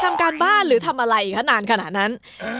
ทำการบ้านหรือทำอะไรคะนานขนาดนั้น